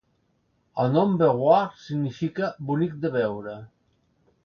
El nom "Beauvoir" significa "bonic de veure".